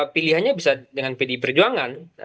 pilihannya bisa dengan pdi perjuangan